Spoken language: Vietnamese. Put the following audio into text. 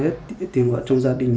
đã dùng vũ lực đe dọa